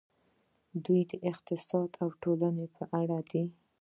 دوی د اقتصاد او ټولنې په اړه دي.